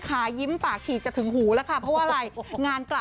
ราคาต้องขึ้นอยู่แล้วถ้าสมกรรมกับปกติกันเลยค่ะ